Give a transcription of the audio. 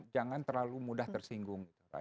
jangan terlalu mudah tersinggung